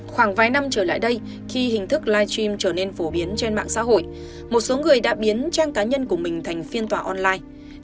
khoảng vài năm trở lại đây khi hình thức live stream trở nên phổ biến trên mạng xã hội một số người đã biến trang cá nhân của mình thành phiên tòa online